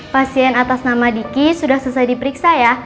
pasien atas nama diki sudah selesai diperiksa ya